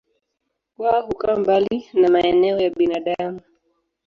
Wao hukaa mbali na maeneo ya binadamu.